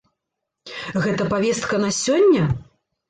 Гэта павестка на сёння?